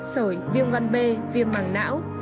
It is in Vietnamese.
sởi viêm ngăn bê viêm mảng não